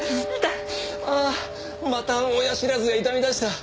ああまた親知らずが痛み出した。